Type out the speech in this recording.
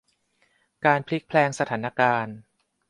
การพลิกแพลงสถานการณ์